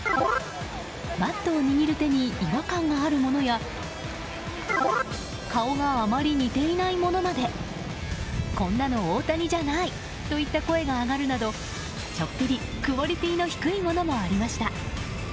バットを握る手に違和感があるものや顔があまり似ていないものまでこんなの大谷じゃないといった声が上がるなどちょっぴりクオリティーの低いものもありました。